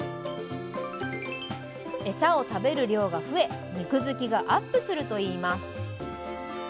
エサを食べる量が増え肉づきがアップするといいます。